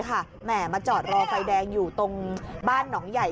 แหม่มาจอดรอไฟแดงอยู่ตรงบ้านหนองใหญ่